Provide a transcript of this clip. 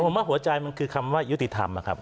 ผมว่าหัวใจมันคือคำว่ายุติธรรมนะครับ